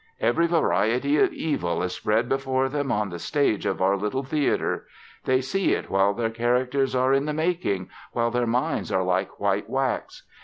Every variety of evil is spread before them on the stage of our little theater. They see it while their characters are in the making, while their minds are like white wax.